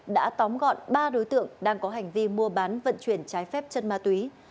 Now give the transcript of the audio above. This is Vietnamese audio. đã tóm gọn ba đối tượng đang có hành vi mua bán vận chuyển trái phép chất ma túy